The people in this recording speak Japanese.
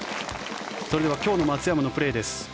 それでは今日の松山のプレーです。